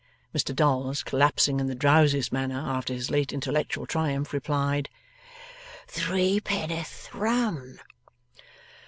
Mr Dolls, collapsing in the drowsiest manner after his late intellectual triumph, replied: 'Threepenn'orth Rum.